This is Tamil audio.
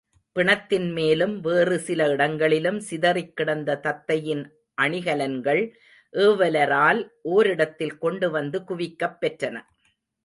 பிணத்தின்மேலும் வேறு சில இடங்களிலும் சிதறிக் கிடந்த தத்தையின் அணிகலன்கள் ஏவலரால் ஓரிடத்தில் கொண்டு வந்து குவிக்கப் பெற்றன.